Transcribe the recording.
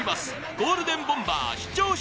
ゴールデンボンバー視聴者